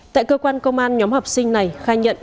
tại cơ quan công an nhóm học sinh này khai nhận